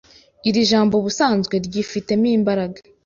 Iri jambo ubusanzwe ryifitemo imbaraga